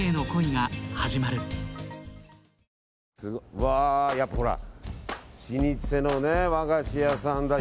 うわー、やっぱほら老舗の和菓子屋さんだ